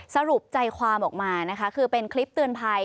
สรุปใจความออกมานะคะคือเป็นคลิปเตือนภัย